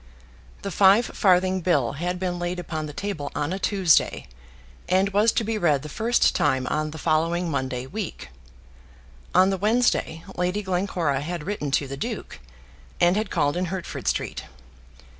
The five farthing bill had been laid upon the table on a Tuesday, and was to be read the first time on the following Monday week. On the Wednesday Lady Glencora had written to the duke, and had called in Hertford Street.